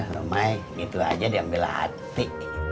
romai gitu aja diambil hati